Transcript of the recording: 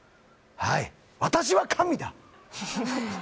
はい「我は神だ」